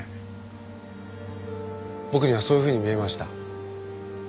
僕にはそういうふうに見えました。